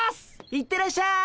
行ってらっしゃい。